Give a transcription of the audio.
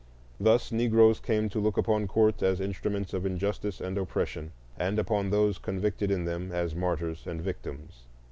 Thus Negroes came to look upon courts as instruments of injustice and oppression, and upon those convicted in them as martyrs and victims.